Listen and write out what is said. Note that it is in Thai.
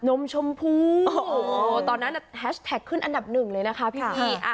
มชมพูโอ้โหตอนนั้นแฮชแท็กขึ้นอันดับหนึ่งเลยนะคะพี่